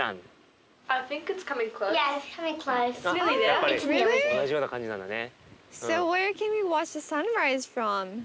やっぱり同じような感じなんだね。